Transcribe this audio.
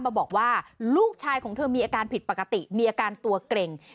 มาบอกว่าลูกชายของเธอมีอาการผิดปกติมีอาการตัวเกร็ง